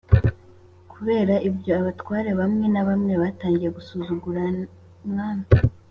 kubera ibyo, abatware bamwe na bamwe batangiye gusuzugura umwami